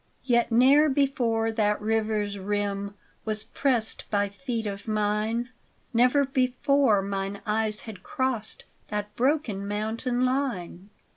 Yet ne'er before that river's rim Was pressed by feet of mine, Never before mine eyes had crossed That broken mountain line.